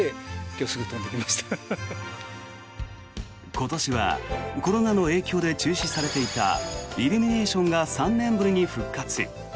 今年はコロナの影響で中止されていたイルミネーションが３年ぶりに復活。